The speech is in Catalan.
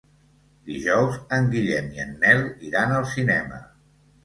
Dijous en Guillem i en Nel iran al cinema.